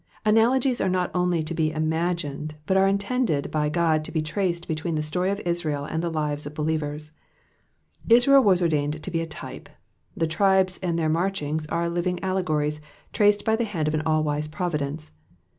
''' Analogies are not only to be imagined, but are intended by God to be traced between the story of Israel and the lives of believers. Israel was ordained to be a type; the tribes and their marchings are living allegories traced by the hand of an all wise providence.